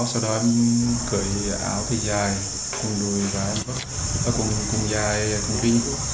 sau đó em cởi áo cái dài cùng dài cùng pin